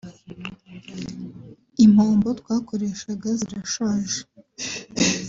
Impombo twakoreshaga zirashaje